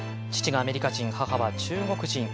父がアメリカ人、母は中国人。